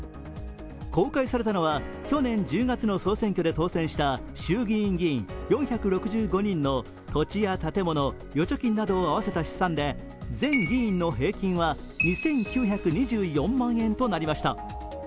公開されたのは去年１０月の総選挙で当選した衆議院議員４６５人の土地や建物、預貯金などを合わせた資産で全議員の平均は２９２４万円となりました。